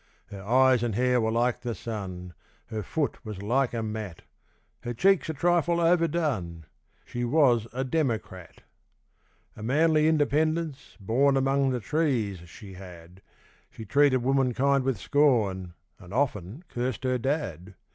Her eyes and hair were like the sun; Her foot was like a mat; Her cheeks a trifle overdone; She was a democrat. A manly independence, born Among the trees, she had, She treated womankind with scorn, And often cursed her dad.